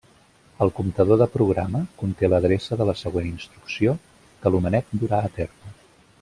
El comptador de programa conté l'adreça de la següent instrucció que l'homenet durà a terme.